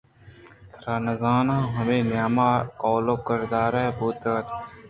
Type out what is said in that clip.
ترا زاناں میئے نیام ءَ قول ءُ قرارے کہ بوتگ اَت